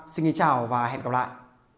xin chào và hẹn gặp lại